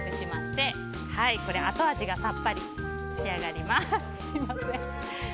後味がさっぱり仕上がります。